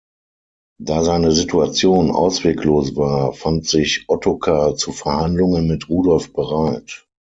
Da seine Situation ausweglos war, fand sich Ottokar zu Verhandlungen mit Rudolf bereit.